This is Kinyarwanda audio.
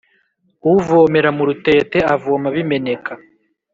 uvomera mu rutete avoma bimeneka.